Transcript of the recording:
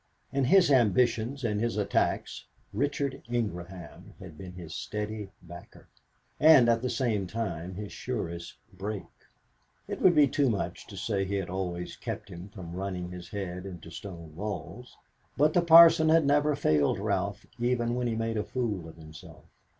In his ambitions and his attacks Richard Ingraham had been his steady backer, and at the same time his surest brake. It would be too much to say that he had always kept him from running his head into stone walls, but the Parson had never failed Ralph even when he made a fool of himself.